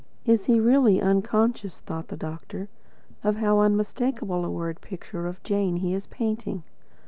"Is he really unconscious," thought the doctor, "of how unmistakable a word picture of Jane he is painting?"